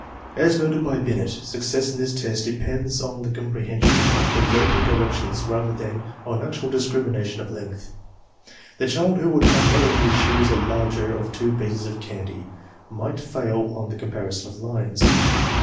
As noted by Binet, success in this test depends on the comprehension of the verbal directions rather than on actual discrimination of length. The child who would unerringly choose the larger of two pieces of candy might 152 THE MEASUREMENT OF INTELLIGENCE fail on the comparison of lines.